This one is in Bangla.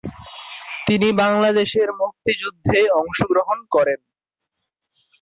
তিনি বাংলাদেশের মুক্তিযুদ্ধে অংশগ্রহণ করেন।